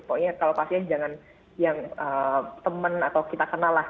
pokoknya kalau pasien jangan yang teman atau kita kenalah